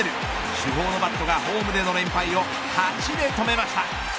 主砲のバットがホームでの連敗を８で止めました。